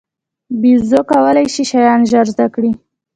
بیزو کولای شي شیان ژر زده کړي.